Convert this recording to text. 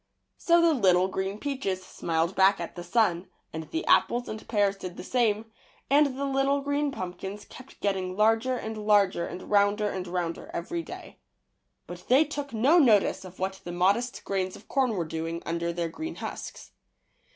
'' So the little green peiaches smiled back at the sun, and the apples and pears did the same, and the little green pumpkins kept getting larger and larger and rounder and rounder every day. But they took no notice of what the modest grains of corn were doing under their green husks.